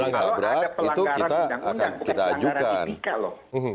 kalau ada pelanggaran undang undang bukan pelanggaran etika loh